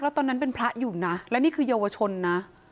และตอนนั้นเป็นพระอยู่น่ะและนี่คือยวชน